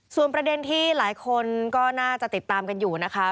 ส่วนประเด็นที่หลายคนก็น่าจะติดตามกันอยู่นะคะ